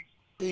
ở phố cổ hội an